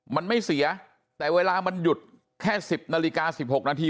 มันไม่เสียแต่เวลามันหยุดแค่๑๐นาฬิกา๑๖นาที